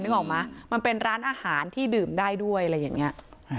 ออกมามันเป็นร้านอาหารที่ดื่มได้ด้วยอะไรอย่างนี้